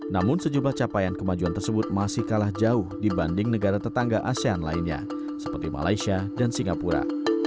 namun sejumlah capaian kemajuan tersebut masih kalah jauh dibanding negara tetangga asean lainnya seperti malaysia dan singapura